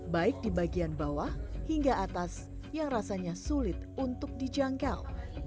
baik di bagian bawah hingga atas yang rasanya sulit untuk dijangkau